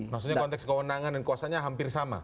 maksudnya konteks kewenangan dan kuasanya hampir sama